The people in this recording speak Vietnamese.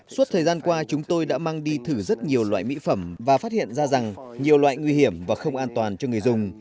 suốt thời gian qua chúng tôi đã mang đi thử rất nhiều loại mỹ phẩm và phát hiện ra rằng nhiều loại nguy hiểm và không an toàn cho người dùng